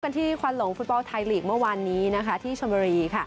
ที่ควันหลงฟุตบอลไทยลีกเมื่อวานนี้ที่ชนบุรี